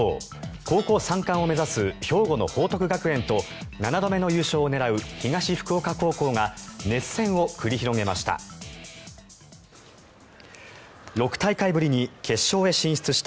高校３冠を目指す兵庫の報徳学園と７度目の優勝を狙う東福岡高校が熱戦を繰り広げました。